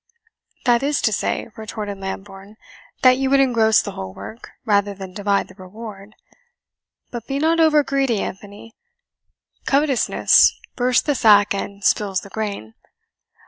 "That is to say," retorted Lambourne, "that you would engross the whole work, rather than divide the reward. But be not over greedy, Anthony covetousness bursts the sack and spills the grain.